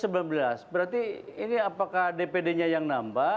berarti ini apakah dpd nya yang nambah